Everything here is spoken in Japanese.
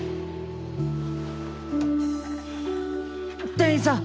店員さん！